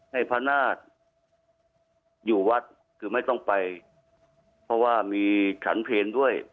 ให้พระนาฏอยู่วัดคือไม่ต้องไปเพราะว่ามีฉันเพลด้วย